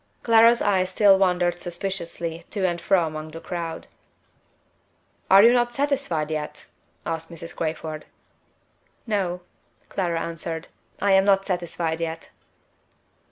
Clara's eyes still wandered suspiciously to and fro among the crowd. "Are you not satisfied yet?" asked Mrs. Crayford. "No," Clara answered, "I am not satisfied yet."